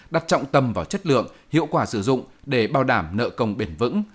đặt trọng tâm vào chất lượng hiệu quả sử dụng để bảo đảm nợ công bền vững